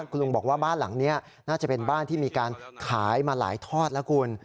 คุณลุงบอกว่าบ้านหลังนี้น่าจะเป็นบ้านที่มีการขายมาหลายทอดแล้วคุณ